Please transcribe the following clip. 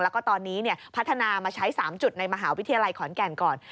แล้วก็ตอนนี้พัฒนามาใช้๓จุดในมหาวิทยาลัยขอนแก่นก่อน